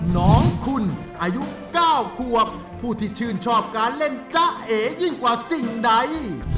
น้องคุณอายุ๙ขวบผู้ที่ชื่นชอบการเล่นจ๊ะเอ๋ยิ่งกว่าสิ่งใด